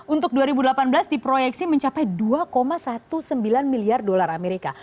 untuk dua ribu delapan belas di proyeksi mencapai dua sembilan belas milyar dolar amerika